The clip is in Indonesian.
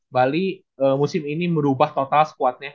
bali musim ini merubah total squadnya